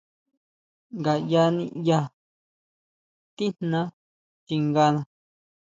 Ngaya niʼya tijná chingana.